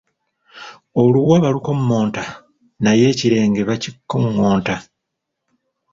Oluwa balukommonta naye ekirenge bakikoŋŋonta.